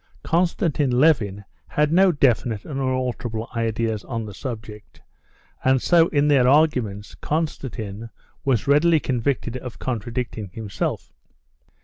Konstantin Levin had no definite and unalterable idea on the subject, and so in their arguments Konstantin was readily convicted of contradicting himself.